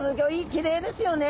きれいですよね。